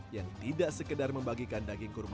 yang tidak sekedar membagikan daging kurban